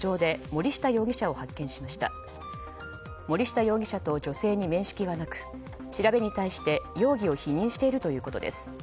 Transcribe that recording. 森下容疑者と女性に面識はなく調べに対して容疑を否認しているということです。